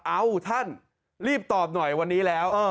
เอ้าท่านรีบตอบหน่อยวันนี้แล้ว